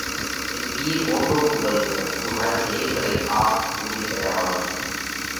جي پِير موٽو پُوڳل سئہ اُو هر هيڪ رئِي آس پُورئِي ڪريا واۯو سئہ۔